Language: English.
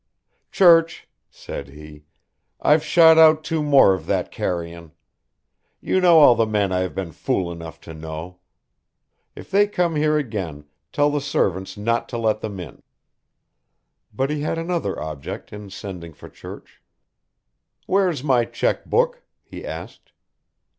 "Church," said he. "I've shot out two more of that carrion. You know all the men I have been fool enough to know. If they come here again tell the servants not to let them in." But he had another object in sending for Church. "Where's my cheque book?" he asked.